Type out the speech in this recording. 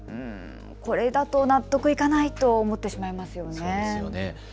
これだと納得いかないと思ってしまいますよね。